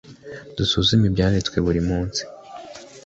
Dusuzume Ibyanditswe buri munsi